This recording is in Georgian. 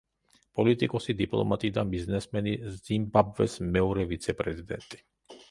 პოლიტიკოსი, დიპლომატი და ბიზნესმენი, ზიმბაბვეს მეორე ვიცე-პრეზიდენტი.